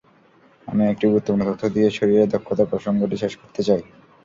আমি একটি গুরুত্বপূর্ণ তথ্য দিয়ে শরীরের দক্ষতা প্রসঙ্গটি শেষ করতে চাই।